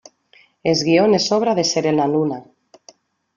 Es guion es obra de Serena Luna.